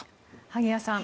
萩谷さん